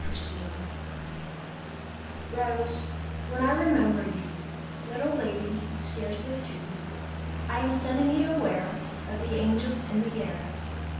TO ROSE ROSE, when I remember you, Little lady, scarcely two, I am suddenly aware Of the angels in the air.